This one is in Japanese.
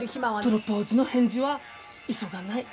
プロポーズの返事は急がない。